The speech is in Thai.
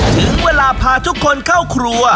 ถึงเวลาพาทุกคนเข้าครัว